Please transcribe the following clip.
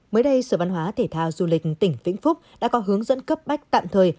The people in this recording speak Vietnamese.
mới đây sở văn hóa thể thao du lịch tỉnh vĩnh phúc đã có hướng dẫn cấp bách tạm thời